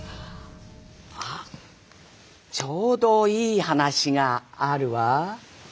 あっちょうどいい話があるわ。